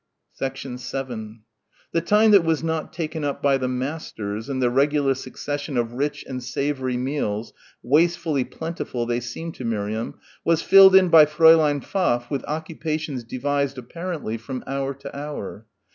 7 The time that was not taken up by the masters and the regular succession of rich and savoury meals wastefully plentiful they seemed to Miriam was filled in by Fräulein Pfaff with occupations devised apparently from hour to hour.